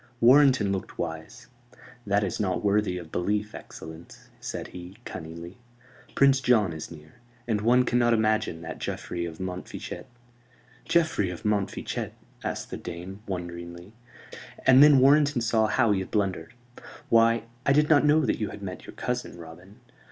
Warrenton looked wise. "That is not worthy of belief, excellence," said he, cunningly. "Prince John is near; and one cannot imagine that Geoffrey of Montfichet " "Geoffrey of Montfichet?" asked the dame, wonderingly: and then Warrenton saw how he had blundered. "Why, I did not know that you had met your cousin, Robin.